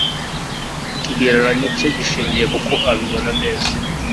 ikigereranyo cye gishingiye k uko abibona neza